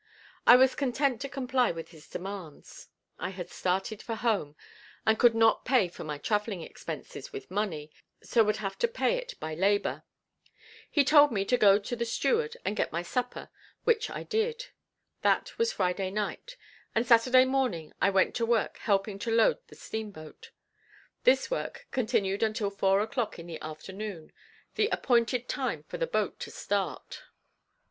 I was content to comply with his demands; I had started for home, and could not pay for my traveling expenses with money, so would have to pay it by labor. He told me to go to the steward and get my supper, which I did. That was Friday night, and Saturday morning I went to work helping to load the steamboat. This work continued until four o'clock in the afternoon, the appointed time for the boat to start.